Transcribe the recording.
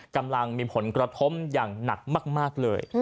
กำลังมีผลกระทบอย่างหนักมากเลย